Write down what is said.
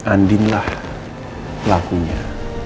andin lah pelakunya